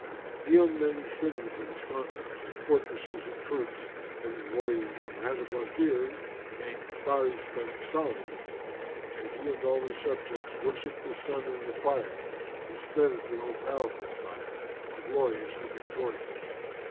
He owned many cities and sconces and fortresses and troops and warriors and had a Wazir named Fáris bin Sálih,[FN#355] and he and all his subjects worshipped the sun and the fire, instead of the All powerful Sire, the Glorious, the Victorious.